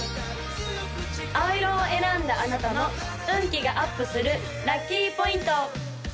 青色を選んだあなたの運気がアップするラッキーポイント！